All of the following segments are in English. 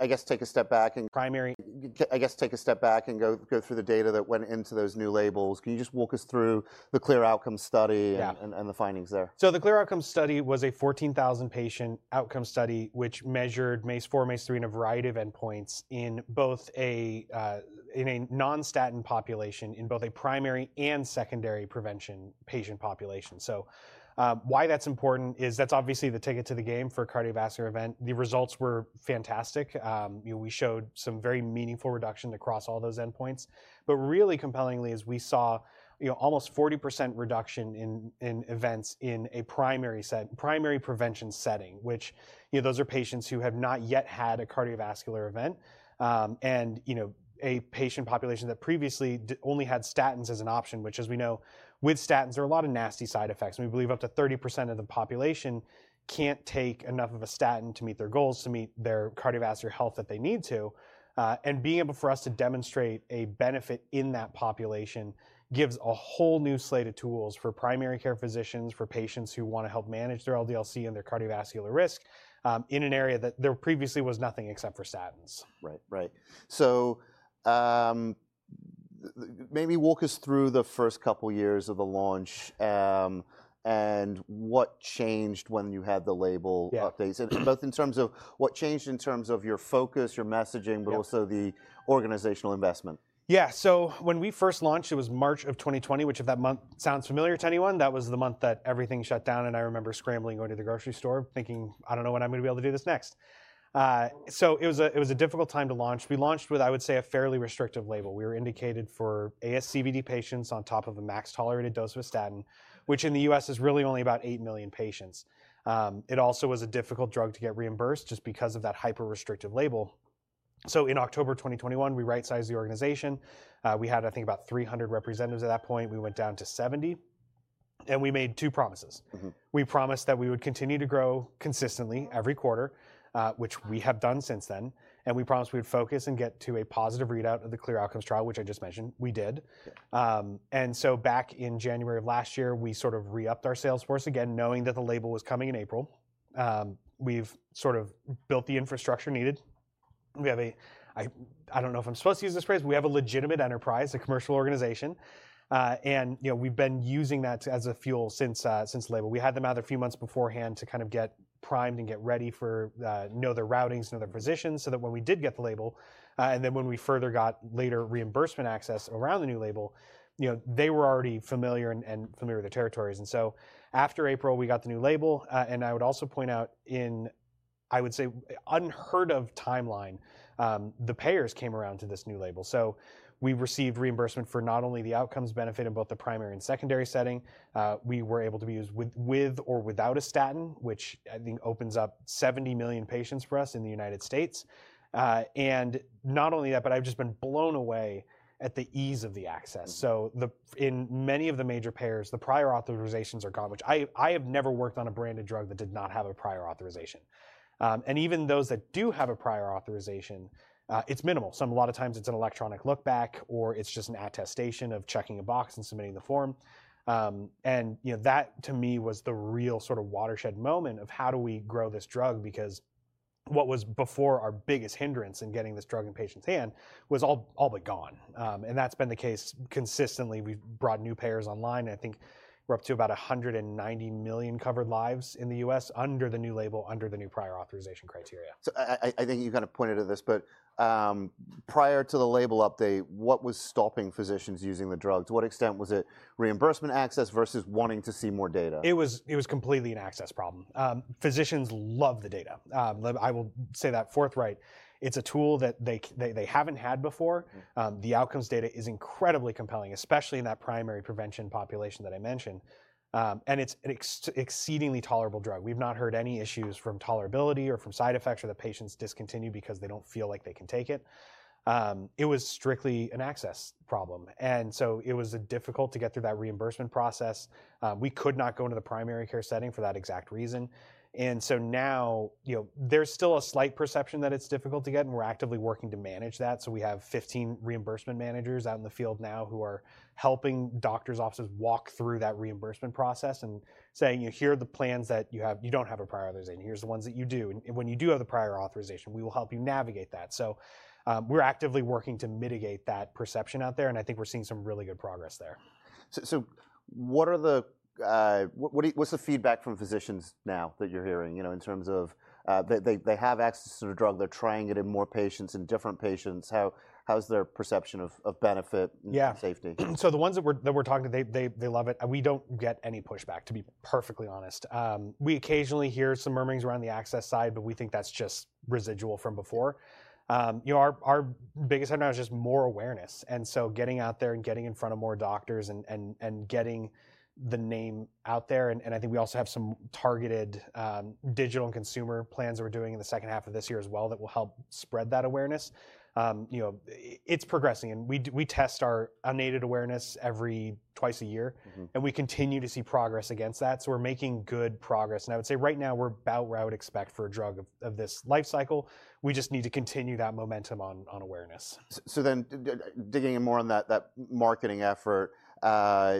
I guess take a step back and. Primary. I guess take a step back and go through the data that went into those new labels. Can you just walk us through the CLEAR Outcomes study and the findings there? The CLEAR Outcomes study was a 14,000-patient outcome study which measured MACE-4, MACE-3, and a variety of endpoints in both a non-statin population in both a primary and secondary prevention patient population. Why that's important is that's obviously the ticket to the game for cardiovascular event. The results were fantastic. We showed some very meaningful reduction across all those endpoints. Really compellingly is we saw almost 40% reduction in events in a primary prevention setting, which those are patients who have not yet had a cardiovascular event. In a patient population that previously only had statins as an option, which as we know with statins there are a lot of nasty side effects. We believe up to 30% of the population can't take enough of a statin to meet their goals, to meet their cardiovascular health that they need to. Being able for us to demonstrate a benefit in that population gives a whole new slate of tools for primary care physicians, for patients who want to help manage their LDL-C and their cardiovascular risk in an area that there previously was nothing except for statins. Right. Right. So maybe walk us through the first couple of years of the launch and what changed when you had the label updates, both in terms of what changed in terms of your focus, your messaging, but also the organizational investment. Yeah. So when we first launched, it was March of 2020, which if that month sounds familiar to anyone, that was the month that everything shut down. I remember scrambling going to the grocery store thinking, I don't know when I'm going to be able to do this next. It was a difficult time to launch. We launched with, I would say, a fairly restrictive label. We were indicated for ASCVD patients on top of a max tolerated dose of statin, which in the U.S. is really only about 8 million patients. It also was a difficult drug to get reimbursed just because of that hyper-restrictive label. In October 2021, we right-sized the organization. We had, I think, about 300 representatives at that point. We went down to 70. We made two promises. We promised that we would continue to grow consistently every quarter, which we have done since then. We promised we would focus and get to a positive readout of the CLEAR Outcomes trial, which I just mentioned. We did. Back in January of last year, we sort of re-upped our sales force again, knowing that the label was coming in April. We have sort of built the infrastructure needed. We have a, I do not know if I am supposed to use this phrase, we have a legitimate enterprise, a commercial organization. We have been using that as a fuel since the label. We had them out a few months beforehand to kind of get primed and get ready for, know their routings, know their physicians so that when we did get the label, and then when we further got later reimbursement access around the new label, they were already familiar and familiar with the territories. After April, we got the new label. I would also point out in, I would say, unheard of timeline, the payers came around to this new label. We received reimbursement for not only the outcomes benefit in both the primary and secondary setting. We were able to be used with or without a statin, which I think opens up 70 million patients for us in the United States. Not only that, but I've just been blown away at the ease of the access. In many of the major payers, the prior authorizations are gone, which I have never worked on a branded drug that did not have a prior authorization. Even those that do have a prior authorization, it's minimal. A lot of times it's an electronic look back or it's just an attestation of checking a box and submitting the form. That to me was the real sort of watershed moment of how do we grow this drug because what was before our biggest hindrance in getting this drug in patients' hands was all but gone. That's been the case consistently. We've brought new payers online. I think we're up to about 190 million covered lives in the U.S. under the new label, under the new prior authorization criteria. I think you kind of pointed to this, but prior to the label update, what was stopping physicians using the drug? To what extent was it reimbursement access versus wanting to see more data? It was completely an access problem. Physicians love the data. I will say that forthright. It's a tool that they haven't had before. The outcomes data is incredibly compelling, especially in that primary prevention population that I mentioned. It is an exceedingly tolerable drug. We've not heard any issues from tolerability or from side effects or the patients discontinue because they don't feel like they can take it. It was strictly an access problem. It was difficult to get through that reimbursement process. We could not go into the primary care setting for that exact reason. There is still a slight perception that it's difficult to get, and we're actively working to manage that. We have 15 reimbursement managers out in the field now who are helping doctors' offices walk through that reimbursement process and saying, here are the plans that you have. You don't have a prior authorization. Here's the ones that you do. When you do have the prior authorization, we will help you navigate that. We are actively working to mitigate that perception out there. I think we are seeing some really good progress there. What are the, what's the feedback from physicians now that you're hearing in terms of they have access to the drug, they're trying it in more patients and different patients? How's their perception of benefit and safety? Yeah. So the ones that we're talking to, they love it. We don't get any pushback, to be perfectly honest. We occasionally hear some murmurings around the access side, but we think that's just residual from before. Our biggest headline was just more awareness. Getting out there and getting in front of more doctors and getting the name out there. I think we also have some targeted digital and consumer plans that we're doing in the second half of this year as well that will help spread that awareness. It's progressing. We test our unaided awareness every twice a year, and we continue to see progress against that. We're making good progress. I would say right now we're about where I would expect for a drug of this life cycle. We just need to continue that momentum on awareness. So then digging in more on that marketing effort,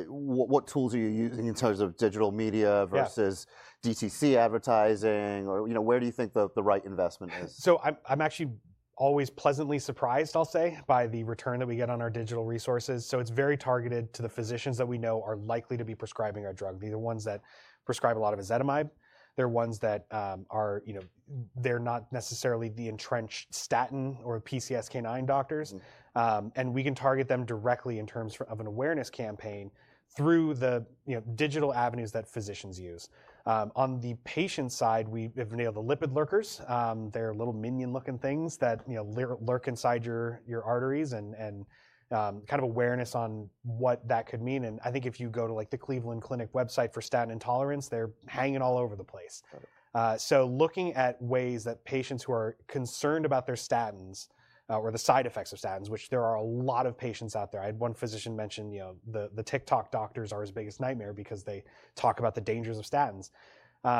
what tools are you using in terms of digital media versus DTC advertising? Where do you think the right investment is? I'm actually always pleasantly surprised, I'll say, by the return that we get on our digital resources. It's very targeted to the physicians that we know are likely to be prescribing our drug. The ones that prescribe a lot of ezetimibe, they're ones that are not necessarily the entrenched statin or PCSK9 doctors. We can target them directly in terms of an awareness campaign through the digital avenues that physicians use. On the patient side, we have nailed the lipid lurkers. They're little minion-looking things that lurk inside your arteries and kind of awareness on what that could mean. I think if you go to the Cleveland Clinic website for statin intolerance, they're hanging all over the place. Looking at ways that patients who are concerned about their statins or the side effects of statins, which there are a lot of patients out there. I had one physician mention the TikTok doctors are his biggest nightmare because they talk about the dangers of statins. There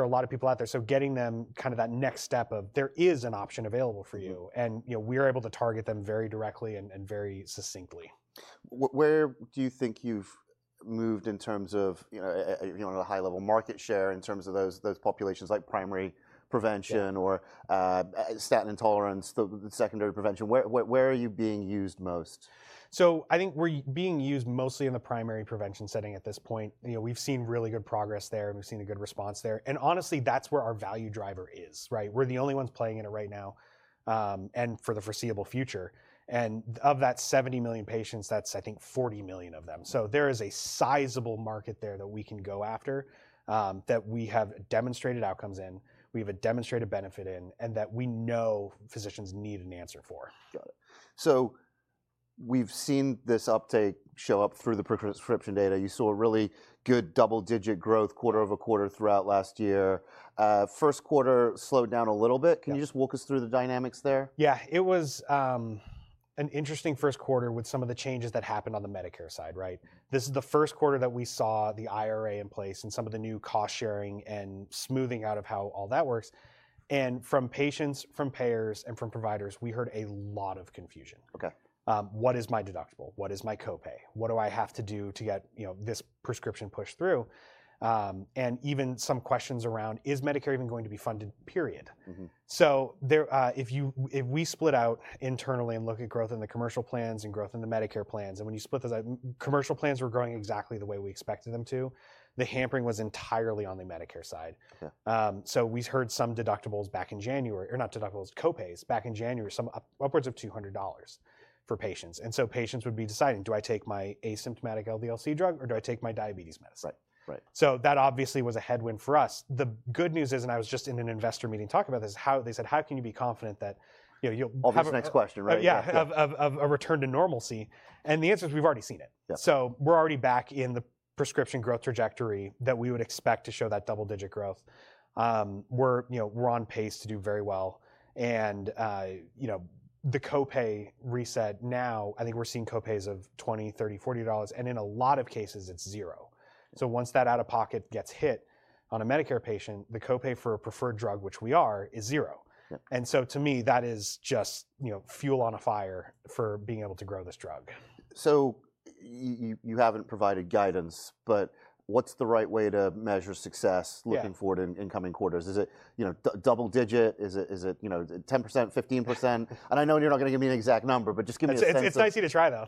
are a lot of people out there. Getting them kind of that next step of there is an option available for you. We are able to target them very directly and very succinctly. Where do you think you've moved in terms of a high-level market share in terms of those populations like primary prevention or statin intolerance, the secondary prevention? Where are you being used most? I think we're being used mostly in the primary prevention setting at this point. We've seen really good progress there, and we've seen a good response there. Honestly, that's where our value driver is, right? We're the only ones playing in it right now and for the foreseeable future. Of that 70 million patients, that's, I think, 40 million of them. There is a sizable market there that we can go after, that we have demonstrated outcomes in, we have a demonstrated benefit in, and that we know physicians need an answer for. Got it. So we've seen this uptake show up through the prescription data. You saw really good double-digit growth quarter-over-quarter throughout last year. First quarter slowed down a little bit. Can you just walk us through the dynamics there? Yeah. It was an interesting first quarter with some of the changes that happened on the Medicare side, right? This is the first quarter that we saw the IRA in place and some of the new cost sharing and smoothing out of how all that works. From patients, from payers, and from providers, we heard a lot of confusion. What is my deductible? What is my copay? What do I have to do to get this prescription pushed through? Even some questions around, is Medicare even going to be funded, period? If we split out internally and look at growth in the commercial plans and growth in the Medicare plans, and when you split those out, commercial plans were growing exactly the way we expected them to. The hampering was entirely on the Medicare side. We heard some deductibles back in January, or not deductibles, copays back in January, some upwards of $200 for patients. Patients would be deciding, do I take my asymptomatic LDL-C drug or do I take my diabetes medicine? That obviously was a headwind for us. The good news is, and I was just in an investor meeting talking about this, they said, how can you be confident that you'll. I'll have the next question, right? Yeah, of a return to normalcy. The answer is we've already seen it. We're already back in the prescription growth trajectory that we would expect to show that double-digit growth. We're on pace to do very well. The copay reset now, I think we're seeing copays of $20, $30, $40, and in a lot of cases, it's zero. Once that out-of-pocket gets hit on a Medicare patient, the copay for a preferred drug, which we are, is zero. To me, that is just fuel on a fire for being able to grow this drug. You haven't provided guidance, but what's the right way to measure success looking forward in coming quarters? Is it double-digit? Is it 10%, 15%? I know you're not going to give me an exact number, but just give me a sense. It's nice to try though.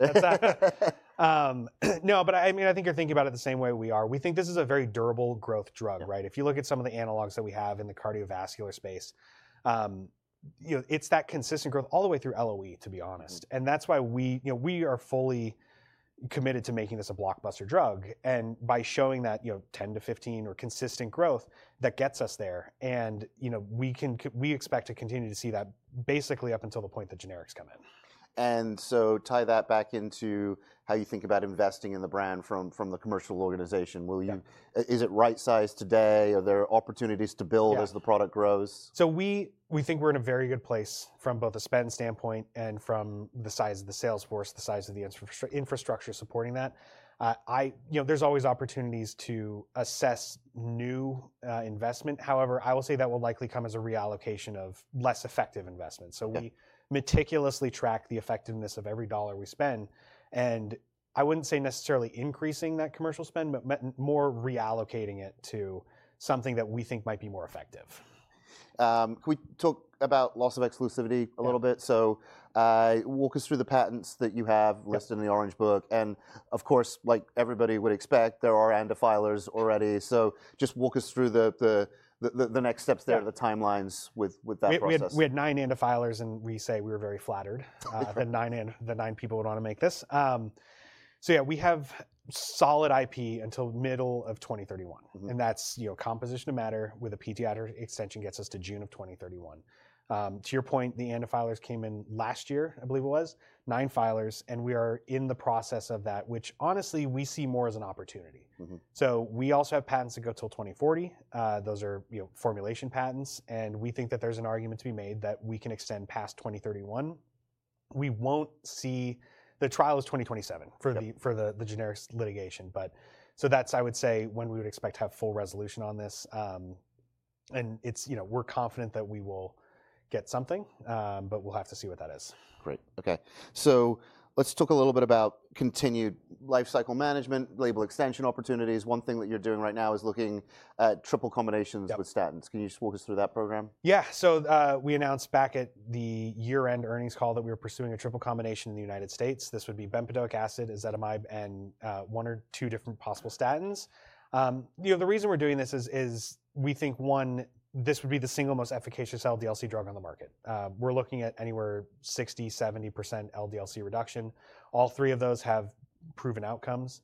No, but I mean, I think you're thinking about it the same way we are. We think this is a very durable growth drug, right? If you look at some of the analogs that we have in the cardiovascular space, it's that consistent growth all the way through LOE, to be honest. That is why we are fully committed to making this a blockbuster drug. By showing that 10%-15% or consistent growth, that gets us there. We expect to continue to see that basically up until the point that generics come in. Tie that back into how you think about investing in the brand from the commercial organization. Is it right size today? Are there opportunities to build as the product grows? We think we're in a very good place from both a spend standpoint and from the size of the sales force, the size of the infrastructure supporting that. There's always opportunities to assess new investment. However, I will say that will likely come as a reallocation of less effective investments. We meticulously track the effectiveness of every dollar we spend. I wouldn't say necessarily increasing that commercial spend, but more reallocating it to something that we think might be more effective. Can we talk about loss of exclusivity a little bit? Walk us through the patents that you have listed in the Orange Book. Of course, like everybody would expect, there are antifilers already. Just walk us through the next steps there, the timelines with that process. We had nine antifilers, and we say we were very flattered that nine people would want to make this. Yeah, we have solid IP until middle of 2031. That is composition of matter with a PTI extension gets us to June of 2031. To your point, the antifilers came in last year, I believe it was, nine filers, and we are in the process of that, which honestly we see more as an opportunity. We also have patents that go till 2040. Those are formulation patents. We think that there is an argument to be made that we can extend past 2031. We will not see the trial is 2027 for the generics litigation. That is, I would say, when we would expect to have full resolution on this. We are confident that we will get something, but we will have to see what that is. Great. Okay. Let's talk a little bit about continued life cycle management, label extension opportunities. One thing that you're doing right now is looking at triple combinations with statins. Can you just walk us through that program? Yeah. We announced back at the year-end earnings call that we were pursuing a triple combination in the United States. This would be bempedoic acid, ezetimibe, and one or two different possible statins. The reason we're doing this is we think, one, this would be the single most efficacious LDL-C drug on the market. We're looking at anywhere 60%-70% LDL-C reduction. All three of those have proven outcomes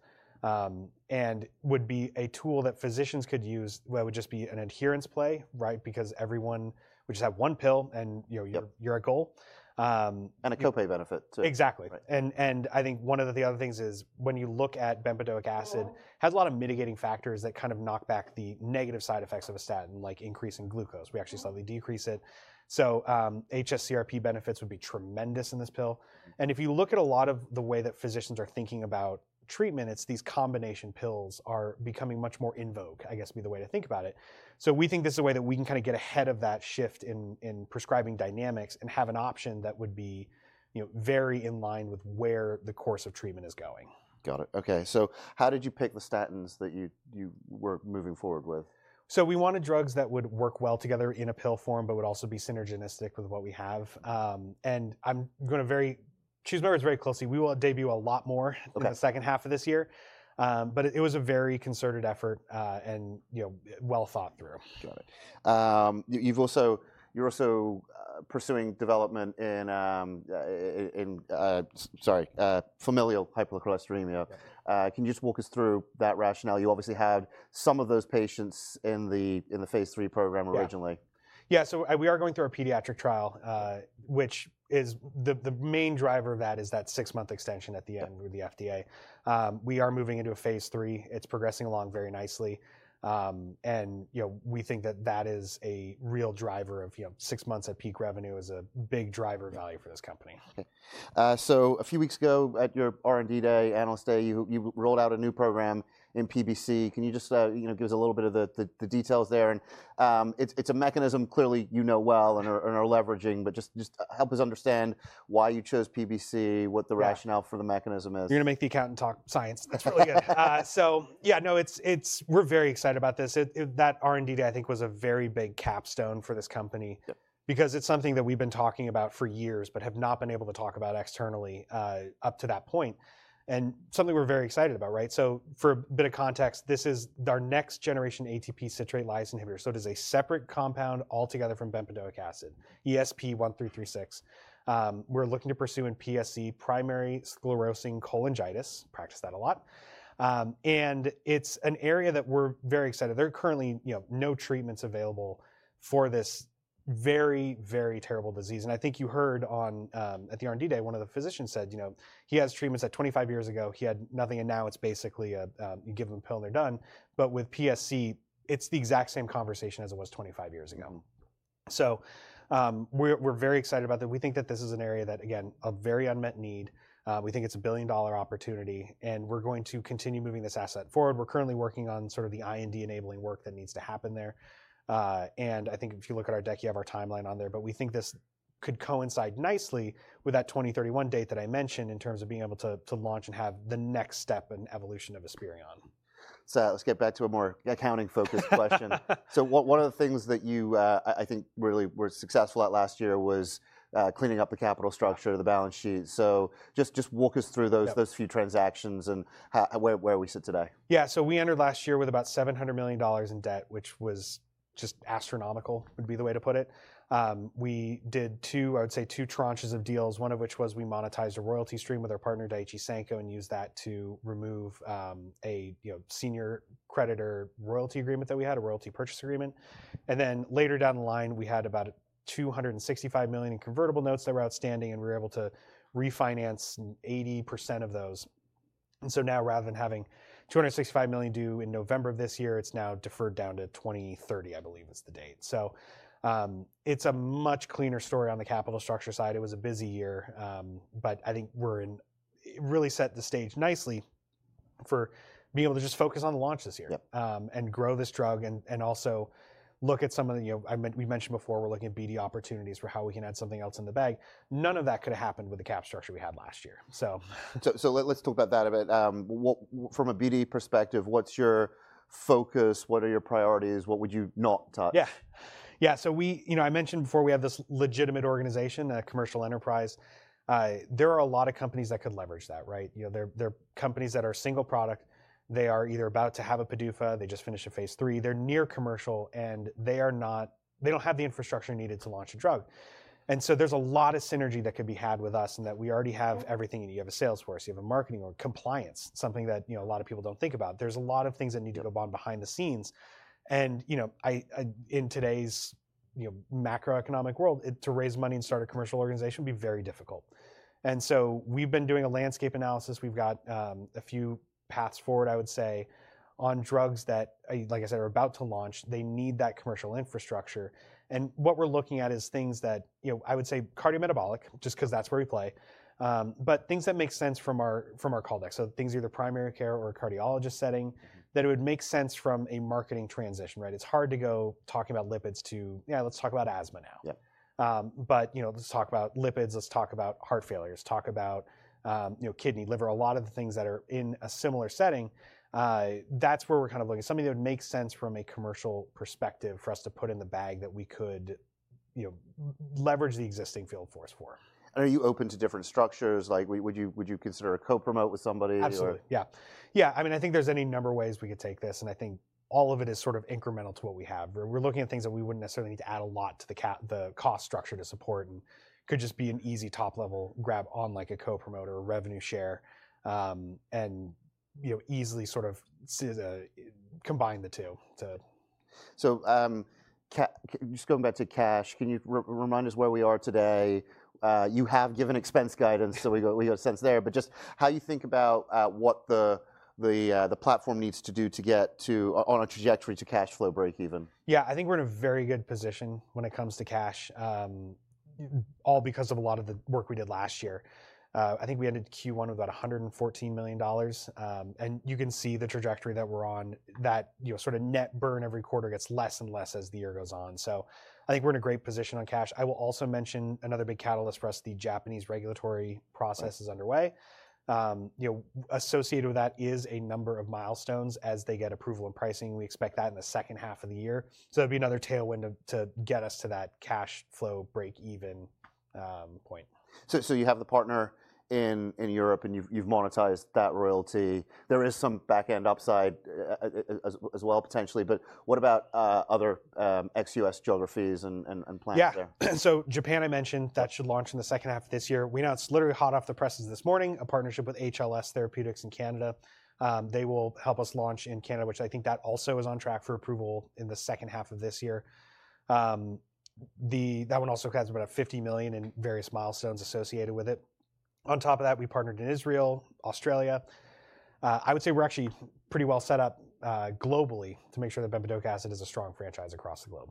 and would be a tool that physicians could use where it would just be an adherence play, right? Because everyone would just have one pill and you're at goal. A copay benefit. Exactly. I think one of the other things is when you look at bempedoic acid, it has a lot of mitigating factors that kind of knock back the negative side effects of a statin, like increasing glucose. We actually slightly decrease it. HSCRP benefits would be tremendous in this pill. If you look at a lot of the way that physicians are thinking about treatment, these combination pills are becoming much more in vogue, I guess would be the way to think about it. We think this is a way that we can kind of get ahead of that shift in prescribing dynamics and have an option that would be very in line with where the course of treatment is going. Got it. Okay. So how did you pick the statins that you were moving forward with? We wanted drugs that would work well together in a pill form, but would also be synergistic with what we have. I'm going to choose my words very closely. We will debut a lot more in the second half of this year, but it was a very concerted effort and well thought through. Got it. You're also pursuing development in, sorry, familial hypercholesterolemia. Can you just walk us through that rationale? You obviously had some of those patients in the phase three program originally. Yeah. We are going through our pediatric trial, which is the main driver of that, is that six-month extension at the end with the FDA. We are moving into a phase three. It's progressing along very nicely. We think that that is a real driver of six months at peak revenue, is a big driver value for this company. A few weeks ago at your R&D Day, Analyst Day, you rolled out a new program in PBC. Can you just give us a little bit of the details there? It's a mechanism clearly you know well and are leveraging, but just help us understand why you chose PBC, what the rationale for the mechanism is. You're going to make the accountant talk science. That's really good. Yeah, no, we're very excited about this. That R&D Day, I think, was a very big capstone for this company because it's something that we've been talking about for years, but have not been able to talk about externally up to that point. It's something we're very excited about, right? For a bit of context, this is our next generation ATP citrate lyase inhibitor. It is a separate compound altogether from bempedoic acid, ESP-1336. We're looking to pursue in PSC, primary sclerosing cholangitis. Practiced that a lot. It's an area that we're very excited about. There are currently no treatments available for this very, very terrible disease. I think you heard at the R&D Day, one of the physicians said he has treatments that 25 years ago he had nothing, and now it's basically you give them a pill and they're done. With PSC, it's the exact same conversation as it was 25 years ago. We are very excited about that. We think that this is an area that, again, a very unmet need. We think it's a billion-dollar opportunity, and we are going to continue moving this asset forward. We are currently working on sort of the IND enabling work that needs to happen there. I think if you look at our deck, you have our timeline on there, but we think this could coincide nicely with that 2031 date that I mentioned in terms of being able to launch and have the next step in evolution of Esperion. Let's get back to a more accounting-focused question. One of the things that you, I think, really were successful at last year was cleaning up the capital structure of the balance sheet. Just walk us through those few transactions and where we sit today. Yeah. So we entered last year with about $700 million in debt, which was just astronomical, would be the way to put it. We did two, I would say, two tranches of deals, one of which was we monetized a royalty stream with our partner, Daiichi Sankyo, and used that to remove a senior creditor royalty agreement that we had, a royalty purchase agreement. Then later down the line, we had about $265 million in convertible notes that were outstanding, and we were able to refinance 80% of those. Now, rather than having $265 million due in November of this year, it is now deferred down to 2030, I believe is the date. It is a much cleaner story on the capital structure side. It was a busy year, but I think we really set the stage nicely for being able to just focus on the launch this year and grow this drug and also look at some of the, we mentioned before, we're looking at BD opportunities for how we can add something else in the bag. None of that could have happened with the cap structure we had last year. Let's talk about that a bit. From a BD perspective, what's your focus? What are your priorities? What would you not touch? Yeah. Yeah. I mentioned before we have this legitimate organization, a commercial enterprise. There are a lot of companies that could leverage that, right? There are companies that are single product. They are either about to have a PDUFA. They just finished a phase three. They're near commercial, and they don't have the infrastructure needed to launch a drug. There is a lot of synergy that could be had with us and that we already have everything. You have a sales force, you have marketing or compliance, something that a lot of people do not think about. There are a lot of things that need to go behind the scenes. In today's macroeconomic world, to raise money and start a commercial organization would be very difficult. We have been doing a landscape analysis. We've got a few paths forward, I would say, on drugs that, like I said, are about to launch. They need that commercial infrastructure. What we're looking at is things that I would say cardiometabolic, just because that's where we play, but things that make sense from our call deck. Things either primary care or a cardiologist setting that would make sense from a marketing transition, right? It's hard to go talking about lipids to, yeah, let's talk about asthma now. Let's talk about lipids. Let's talk about heart failure. Let's talk about kidney, liver, a lot of the things that are in a similar setting. That's where we're kind of looking. Something that would make sense from a commercial perspective for us to put in the bag that we could leverage the existing field force for. Are you open to different structures? Would you consider a co-promote with somebody? Absolutely. Yeah. Yeah. I mean, I think there's any number of ways we could take this. I think all of it is sort of incremental to what we have. We're looking at things that we wouldn't necessarily need to add a lot to the cost structure to support and could just be an easy top-level grab on like a co-promote or a revenue share and easily sort of combine the two. Just going back to cash, can you remind us where we are today? You have given expense guidance, so we got a sense there, but just how you think about what the platform needs to do to get on a trajectory to cash flow break even. Yeah. I think we're in a very good position when it comes to cash, all because of a lot of the work we did last year. I think we ended Q1 with about $114 million. You can see the trajectory that we're on, that sort of net burn every quarter gets less and less as the year goes on. I think we're in a great position on cash. I will also mention another big catalyst for us, the Japanese regulatory process is underway. Associated with that is a number of milestones as they get approval and pricing. We expect that in the second half of the year. That would be another tailwind to get us to that cash flow break even point. You have the partner in Europe and you've monetized that royalty. There is some backend upside as well potentially, but what about other ex-U.S. geographies and plans there? Yeah. Japan I mentioned that should launch in the second half of this year. We know it's literally hot off the presses this morning, a partnership with HLS Therapeutics in Canada. They will help us launch in Canada, which I think that also is on track for approval in the second half of this year. That one also has about $50 million in various milestones associated with it. On top of that, we partnered in Israel, Australia. I would say we're actually pretty well set up globally to make sure that bempedoic acid is a strong franchise across the globe.